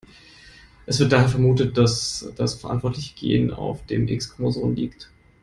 Es wird daher vermutet, dass das verantwortliche Gen auf dem X-Chromosom liegt.